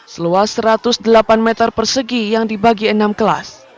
seluas satu ratus delapan meter persegi yang dibagi enam kelas